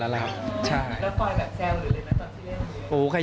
โอ้ยก็ทรายแซมเลยนะตอนที่เล่น